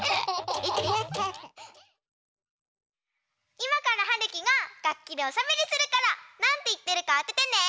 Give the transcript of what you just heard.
いまからはるきががっきでおしゃべりするからなんていってるかあててね。